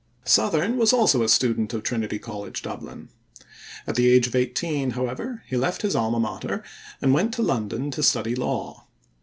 Southerne was also a student of Trinity College, Dublin. At the age of eighteen, however, he left his alma mater, and went to London to study law.